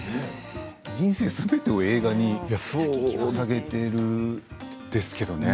人生すべてを映画にささげているんですけれどもね。